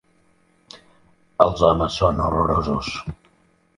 Els homes són horrorosos.